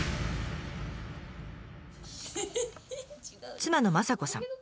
妻の雅子さん。